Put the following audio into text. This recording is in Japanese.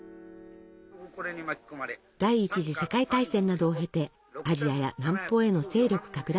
第１次世界大戦などを経てアジアや南方への勢力拡大を進めていた旧日本軍。